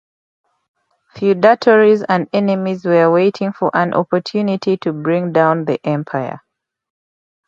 Feudatories and enemies were waiting for an opportunity to bring down the empire.